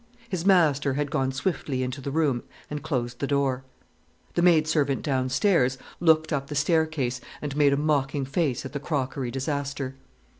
His master had gone swiftly into the room and closed the door. The maid servant downstairs looked up the staircase and made a mocking face at the crockery disaster.